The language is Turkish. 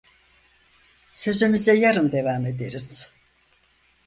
Sözümüze yarın devam ederiz…